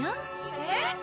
えっ？